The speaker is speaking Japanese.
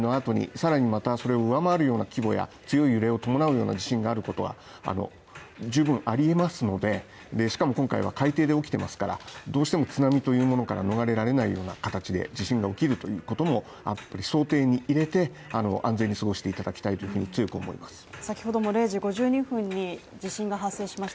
比較的規模の大きい地震の後に、さらにまたそれを上回るような規模や強い揺れを伴うような地震があることは十分ありえますのでしかも今回は海底で起きてますから、どうしても津波というものから逃れられないような形で地震が起きるということもやっぱり想定に入れて安全に過ごしていただきたいというふうに強く思います。